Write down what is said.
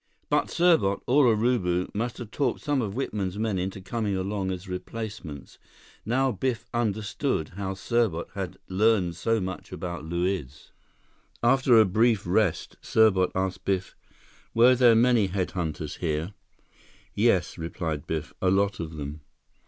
But Serbot or Urubu must have talked some of Whitman's men into coming along as replacements. Now Biff understood how Serbot had learned so much about Luiz. After a brief rest, Serbot asked Biff, "Were there many head hunters here?" "Yes," replied Biff. "A lot of them."